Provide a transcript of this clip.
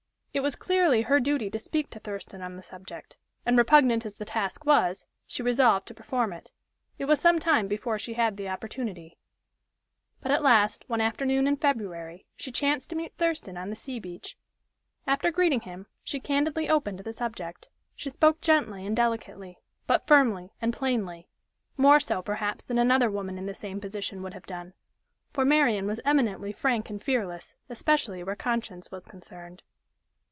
It was clearly her duty to speak to Thurston on the subject, and, repugnant as the task was, she resolved to perform it. It was some time before she had the opportunity. But at last, one afternoon in February, she chanced to meet Thurston on the sea beach. After greeting him, she candidly opened the subject. She spoke gently and delicately, but firmly and plainly more so, perhaps, than another woman in the same position would have done, for Marian was eminently frank and fearless, especially where conscience was concerned.